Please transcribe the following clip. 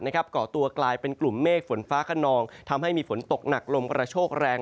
ก่อตัวกลายเป็นกลุ่มเมฆฝนฟ้าขนองทำให้มีฝนตกหนักลมกระโชกแรง